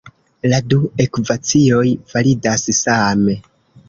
La du ekvacioj validas same.